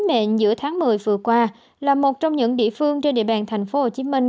sứ mệnh giữa tháng một mươi vừa qua là một trong những địa phương trên địa bàn thành phố hồ chí minh